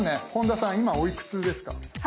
今おいくつですか？